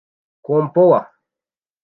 Compaore